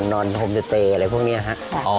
นอนโฮมเตอร์เตยอะไรพวกเนี่ยครับ